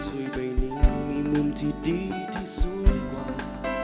เธอช่วยไปหนีมีมุมที่ดีที่สวยกว่า